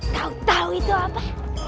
kau tahu itu apa